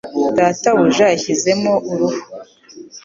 data buja yashizemo uruhu